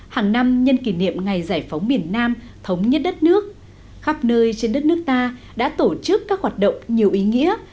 hàng năm nhân kỷ niệm ngày giải phóng miền nam thống nhất đất nước khắp nơi trên đất nước ta đã tổ chức các hoạt động nhiều ý nghĩa